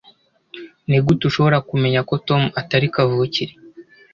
nigute ushobora kumenya ko tom atari kavukire